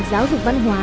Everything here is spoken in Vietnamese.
giáo dục văn hóa